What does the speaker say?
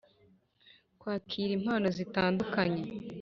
Kwakira impano zitandukanye